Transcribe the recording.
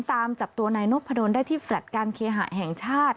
ตามจับตัวนายนพดลได้ที่แลตการเคหะแห่งชาติ